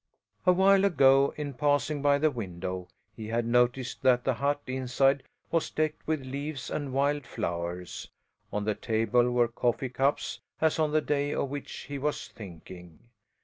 A while ago, in passing by the window, he had noticed that the hut inside was decked with leaves and wild flowers. On the table were coffee cups, as on the day of which he was thinking.